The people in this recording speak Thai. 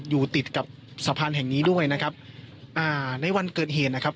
อยู่ติดกับสะพานแห่งนี้ด้วยนะครับอ่าในวันเกิดเหตุนะครับ